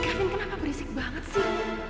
gafin kenapa berisik banget sih